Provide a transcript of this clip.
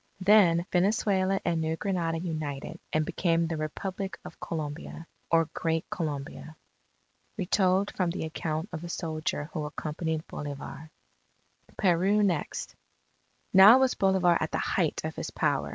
Then Venezuela and New Granada united, and became the Republic of Colombia or Great Colombia. Retold from the account of a soldier who accompanied Bolivar PERU NEXT Now was Bolivar at the height of his power.